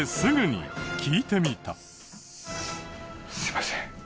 すいません。